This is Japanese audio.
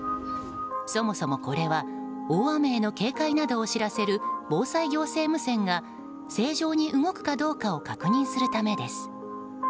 そもそも、これは大雨への警戒などを知らせる防災行政無線が正常に動くかどうかを確認するためです。